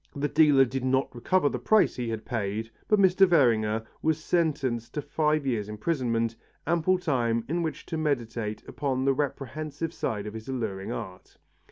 The dealer did not recover the price he had paid but Mr. Werninger was sentenced to five years' imprisonment, ample time in which to meditate upon the reprehensible side of his alluring art.